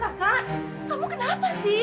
raka kamu kenapa sih